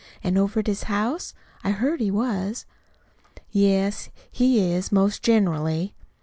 And over at his house? I heard he was." "Yes, he is, most generally."